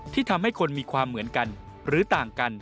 ทำให้คนมีความเหมือนกันหรือต่างกัน